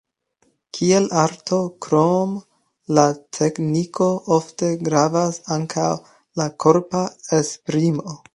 Kiel arto, krom la tekniko, ofte gravas ankaŭ la korpa esprimo.